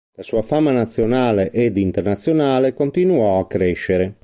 La sua fama nazionale ed internazionale continuò a crescere.